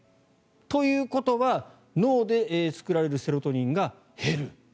ということは脳で作られるセロトニンが減る。